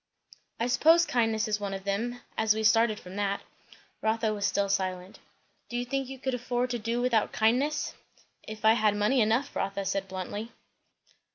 "I suppose kindness is one of them, as we started from that." Rotha was still silent. "Do you think you could afford to do without kindness?" "If I had money enough," Rotha said bluntly.